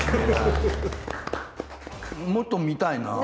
もっと見たいなあ。